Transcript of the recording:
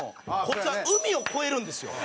こいつは海を越えるんですよ。